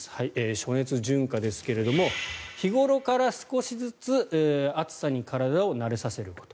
暑熱順化ですが日頃から少しずつ暑さに体を慣れさせること。